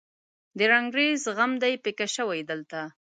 د رنګریز خم دې پیکه شوی دلته